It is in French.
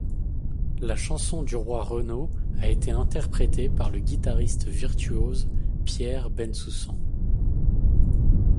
La chanson du Roi Renaud a été interprétée par le guitariste virtuose Pierre Bensusan.